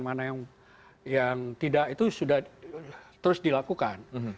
mana yang tidak itu sudah terus dilakukan